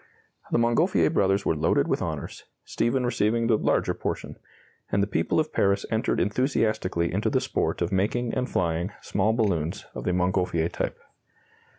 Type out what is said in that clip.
The Montgolfier brothers were loaded with honors, Stephen receiving the larger portion; and the people of Paris entered enthusiastically into the sport of making and flying small balloons of the Montgolfier type.